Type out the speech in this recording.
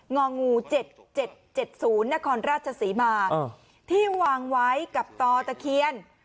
องู๗๗๐นครราชศรีมาที่วางไว้กับตอตะเคียน